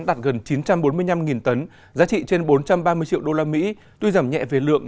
đạt gần chín trăm bốn mươi năm tấn giá trị trên bốn trăm ba mươi triệu usd tuy giảm nhẹ về lượng